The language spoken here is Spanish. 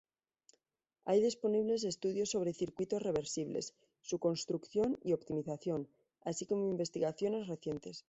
Hay disponibles estudios sobre circuitos reversibles, su construcción y optimización, así como investigaciones recientes.